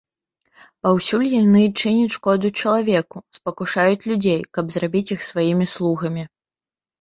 Паўсюль яны чыняць шкоду чалавеку, спакушаюць людзей, каб зрабіць іх сваімі слугамі.